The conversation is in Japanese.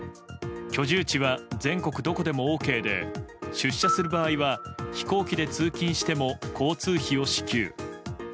居住地は全国どこでもＯＫで出社する場合は飛行機で通勤しても交通費を支給。